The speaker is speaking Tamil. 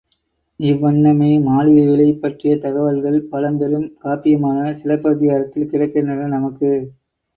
இவ்வண்ணமே மாளிகைகளைப் பற்றிய தகவல்கள் பழம் பெரும் காப்பியமான சிலப்பதிகாரத்தில் கிடைக்கின்றன நமக்கு.